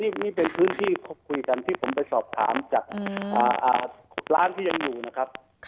นี่เป็นพื้นที่คุยกันที่ผมไปสอบถามจากร้านที่ยังอยู่นะครับ